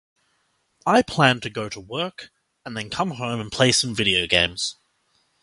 I plan to go to work, and then come home and play some video games.